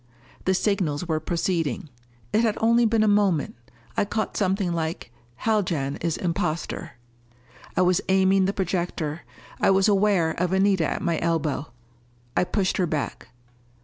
The signals were proceeding. It had only been a moment. I caught something like, "Haljan is imposter." I was aiming the projector. I was aware of Anita at my elbow. I pushed her back.